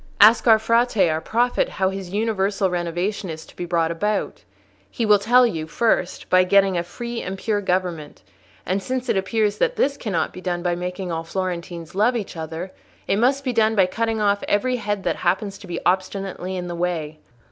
Ask our Frate, our prophet, how his universal renovation is to be brought about: he will tell you, first, by getting a free and pure government; and since it appears that this cannot be done by making all Florentines love each other, it must be done by cutting off every head that happens to be obstinately in the way.